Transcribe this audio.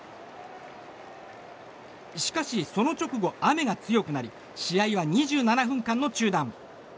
しかし、その直後雨が強くなり試合は２７分間の中断。